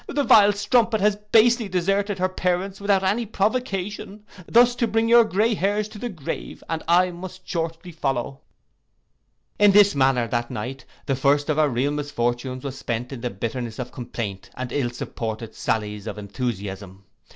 The vile strumpet has basely deserted her parents without any provocation, thus to bring your grey hairs to the grave, and I must shortly follow.' In this manner that night, the first of our real misfortunes, was spent in the bitterness of complaint, and ill supported sallies of enthusiasm.